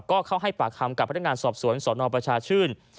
ก็เข้าให้ปากคำกับพนักงานสอบสวนสนประชาชื่น